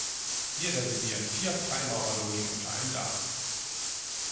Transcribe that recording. Hier residieren vier Freimaurerlogen unter einem Dach.